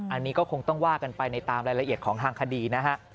อันนี้ก็คงต้องว่ากันไปในตามรายละเอียดของทางคดีนะฮะ